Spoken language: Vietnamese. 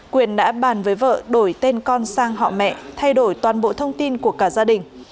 quyền đã bàn với vợ đổi tên con sang họ mẹ thay đổi toàn bộ thông tin của cả gia đình